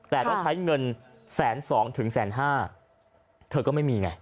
แต่ต้องใช้เงินแสนสองถึงแสนห้าเธอก็ไม่มีไง